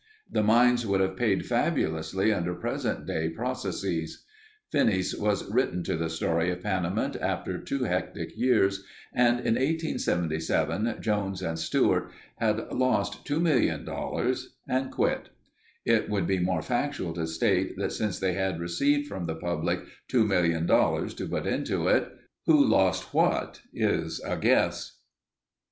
The mines would have paid fabulously under present day processes. Finis was written to the story of Panamint after two hectic years and in 1877 Jones and Stewart had lost $2,000,000 and quit. It would be more factual to state that since they had received from the public $2,000,000 to put into it, who lost what is a guess.